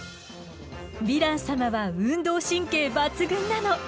ヴィラン様は運動神経抜群なの！